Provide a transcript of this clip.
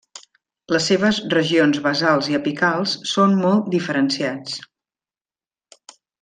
Les seves regions basals i apicals són molt diferenciats.